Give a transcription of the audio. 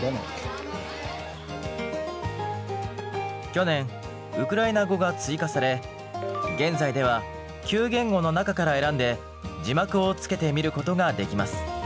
去年ウクライナ語が追加され現在では９言語の中から選んで字幕をつけて見ることができます。